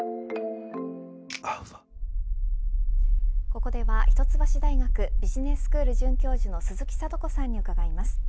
ここでは一橋大学ビジネススクール准教授の鈴木智子さんに伺います。